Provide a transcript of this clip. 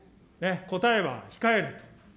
答えは控えると。